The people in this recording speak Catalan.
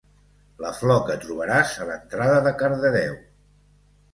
La flor que trobaràs a l'entrada de Cardedeu.